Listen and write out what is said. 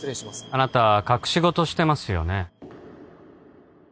あなた隠し事してますよね？